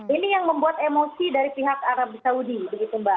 ini yang membuat emosi dari pihak arab saudi begitu mbak